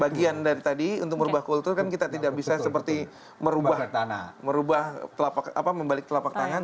bagian dari tadi untuk merubah kultur kan kita tidak bisa seperti merubah membalik telapak tangan